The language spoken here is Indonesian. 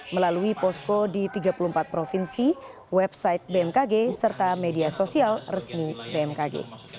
melalui posko di tiga puluh empat provinsi website bmkg serta media sosial resmi bmkg